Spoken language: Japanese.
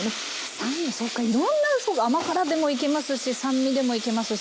酸味そっかいろんな甘辛でもいけますし酸味でもいけますし。